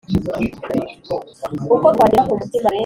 Uko twagera ku mutima bene